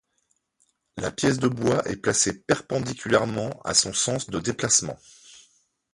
La pièce de bois est placée perpendiculairement à son sens de déplacement.